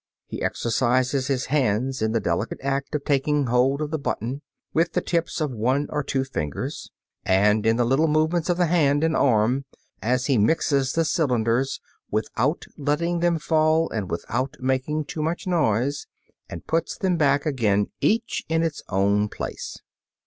He exercises his hands in the delicate act of taking hold of the button with the tips of one or two fingers, and in the little movements of the hand and arm as he mixes the cylinders, without letting them fall and without making too much noise and puts them back again each in its own place.